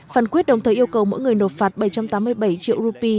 phán quyết đồng thời yêu cầu mỗi người nộp phạt bảy trăm tám mươi bảy triệu rupee